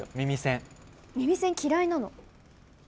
耳栓嫌いなの。